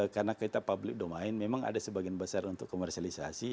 karena kita public domain memang ada sebagian besar untuk komersialisasi